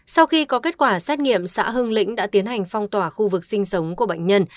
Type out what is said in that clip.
sau khi có kết quả xét nghiệm xã hưng lĩnh đã tiến hành phong tỏa khu vực sinh sống của bệnh nhân